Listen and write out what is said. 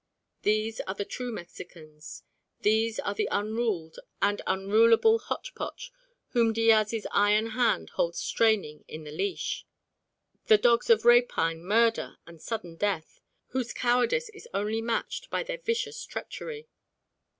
These are the true Mexicans; these are the unruled and unrulable hotchpotch whom Diaz's iron hand holds straining in the leash: the dogs of rapine, murder, and sudden death, whose cowardice is only matched by their vicious treachery.